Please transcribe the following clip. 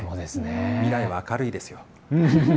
未来は明るいです。